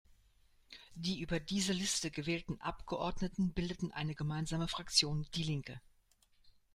Die über diese Liste gewählten Abgeordneten bildeten eine gemeinsame Fraktion "Die Linke".